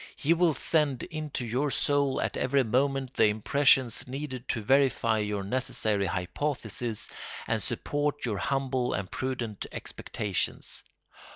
He will send into your soul at every moment the impressions needed to verify your necessary hypotheses and support your humble and prudent expectations.